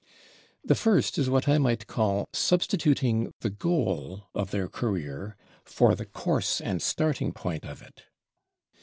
The first is what I might call substituting the goal of their career for the course and starting point of it.